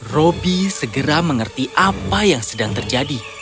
robby segera mengerti apa yang sedang terjadi